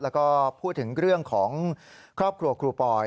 แล้วก็พูดถึงเรื่องของครอบครัวครูปอย